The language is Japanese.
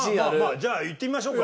じゃあいってみましょうか。